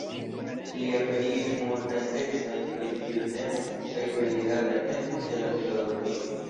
Li aperigis multajn tekstojn pri tiu temo kaj pri rilataj temoj de la filozofio.